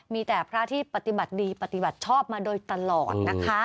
มีแต่พระที่ปฏิบัติดีปฏิบัติชอบมาโดยตลอดนะคะ